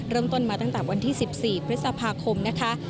เริ่มต้นมาตั้งแต่วันที่๑๔พฤษภาคมนะคะ